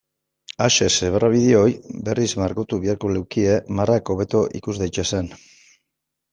Zebrabide hura berriz margotu beharko lukete marrak hobeto ikus daitezen.